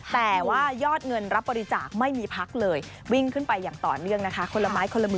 แต่ว่ายอดเงินรับบริจาคไม่มีพักเลย